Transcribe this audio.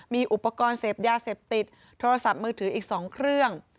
มีอุปกรณ์เสพยาเสพติดโทรศัพท์มือถืออีก๒เครื่อง